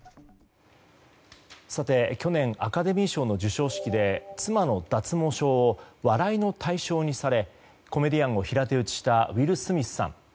さて、去年アカデミー賞の授賞式で妻の脱毛症を笑いの対象にされコメディアンを平手打ちしたウィル・スミスさん。